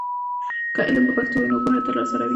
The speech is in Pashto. که علم په پښتو وي، نو پوهه تل راسره وي.